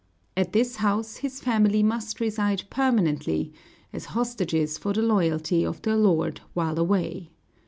At this house, his family must reside permanently, as hostages for the loyalty of their lord while away.